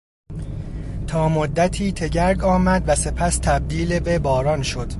تامدتی تگرگ آمد و سپس تبدیل به باران شد.